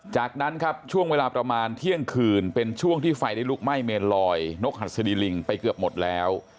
จากนั้นครับช่วงเวลาประมาณเที่ยงคืนเป็นช่วงที่ไฟได้ลุกไหม้เมนลอยนกหัสดีลิงไปเกือบหมดแล้ว